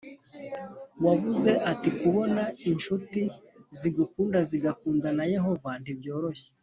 Wavuze ati kubona incuti zigukunda zigakunda na yehova ntibyoroshye